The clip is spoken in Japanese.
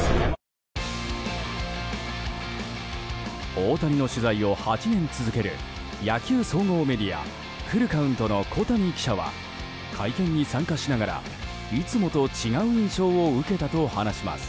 大谷の取材を８年続ける野球総合メディアフルカウントの小谷記者は会見に参加しながらいつもと違う印象を受けたと話します。